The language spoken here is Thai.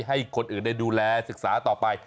ให้คนอื่นได้ดูแลศึกษาต่อไป